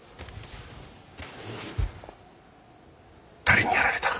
誰にやられた。